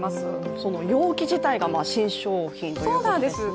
その容器自体が新商品ということですね。